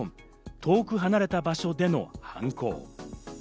遠く離れた場所での犯行。